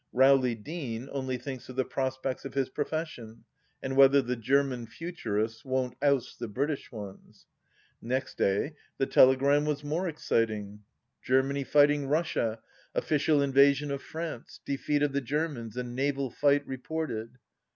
Rowley Deane only thinks of the prospects of his profession, and whether the German Futurists won't oust the British ones. ... Next day the telegram was more exciting :" Germany — fighting — Russia — official — invasion — of — France — defeat — of the — Germans — and — naval — fight — reported."